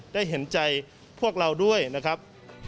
ได้เห็นใจพวกเราด้วยนะครับ